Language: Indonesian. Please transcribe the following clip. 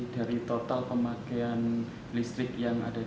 dari total pemakaian listrik yang